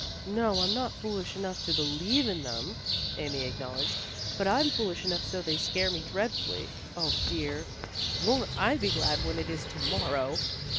"No, I'm not foolish enough to believe in them," Amy acknowledged, "but I'm foolish enough so they scare me dreadfully. Oh, dear! Won't I be glad when it is to morrow!"